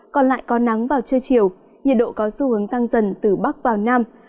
còn lại có nắng vào trưa chiều nhiệt độ có xu hướng tăng dần từ bắc vào nam